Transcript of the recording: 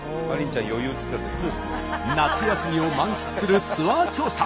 夏休みを満喫するツアー調査